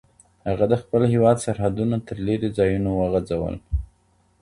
هغه د خپل هیواد سرحدونه تر لیرې ځایونو وغځول.